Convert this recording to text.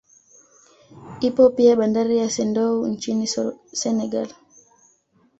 Ipo pia bandari ya Sendou nchini Senegal